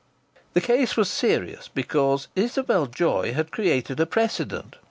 The case was serious, because Isabel Joy had created a precedent.